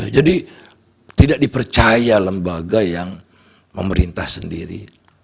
jadi tidak dipercaya lembaga yang memerintah sendiri